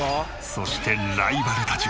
そしてライバルたちは。